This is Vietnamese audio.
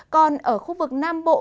còn ở khu vực nam bộ